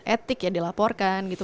etik yang dilaporkan gitu